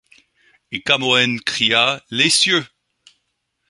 Et Camoëns cria: Les cieux!